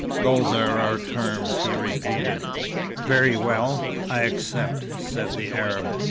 "Those are our terms," he repeated. "Very well, I accept," said the Arab.